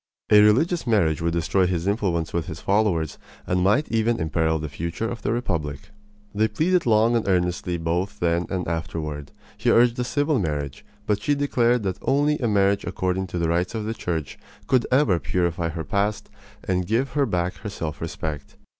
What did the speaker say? A religious marriage would destroy his influence with his followers and might even imperil the future of the republic. They pleaded long and earnestly both then and afterward. He urged a civil marriage, but she declared that only a marriage according to the rites of the Church could ever purify her past and give her back her self respect.